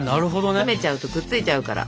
冷めちゃうとくっついちゃうから。